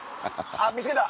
あっ見つけた。